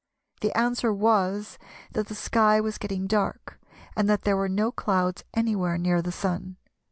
The answer was that the sky was getting dark, and that there were no clouds anywhere near the Sun.